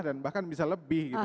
dan bahkan bisa lebih gitu